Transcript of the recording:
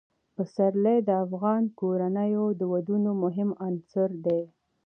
پسرلی د افغان کورنیو د دودونو مهم عنصر دی.